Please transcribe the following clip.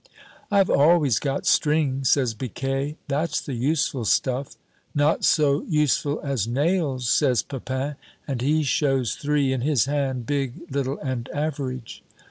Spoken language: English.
"I've always got string," says Biquet, "that's the useful stuff!" "Not so useful as nails," says Pepin, and he shows three in his hand, big, little, and average.